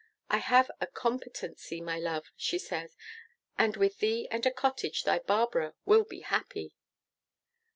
'I have a competency, my love,' she says, 'and with thee and a cottage thy Barbara will be happy.